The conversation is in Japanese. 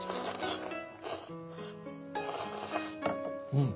うん！